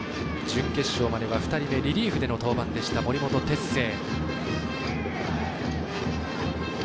準決勝までは２人でリリーフでの登板でした森本哲星。